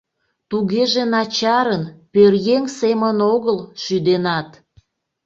Тугеже начарын, пӧръеҥ семын огыл, шӱденат!